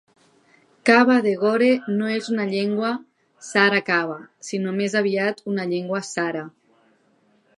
Kaba de Gore no és una llengua Sara Kaba, sinó més aviat una llengua Sara.